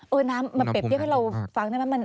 เออน้ำมันเป็นที่ให้เราฟังได้มั้ย